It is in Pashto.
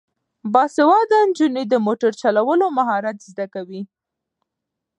باسواده نجونې د موټر چلولو مهارت زده کوي.